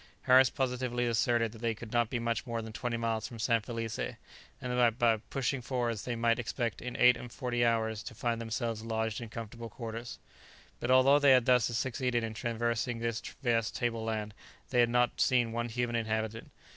Harris positively asserted that they could not be much more than twenty miles from San Felice, and that by pushing forwards they might expect in eight and forty hours to find themselves lodged in comfortable quarters. But although they had thus succeeded in traversing this vast table land, they had not seen one human inhabitant.